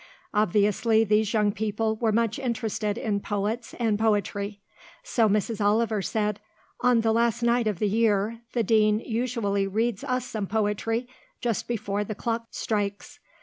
Obviously these young people were much interested in poets and poetry. So Mrs. Oliver said, "On the last night of the year, the Dean usually reads us some poetry, just before the clock strikes.